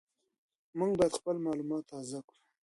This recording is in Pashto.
موږ باید خپل معلومات تازه کړو.